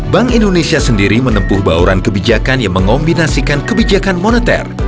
bank indonesia sendiri menempuh bauran kebijakan yang mengombinasikan kebijakan moneter